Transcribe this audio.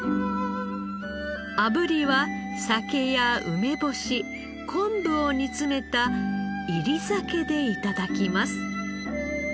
あぶりは酒や梅干し昆布を煮詰めた煎り酒で頂きます。